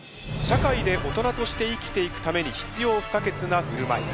社会で大人として生きていくために必要不可欠なふるまい。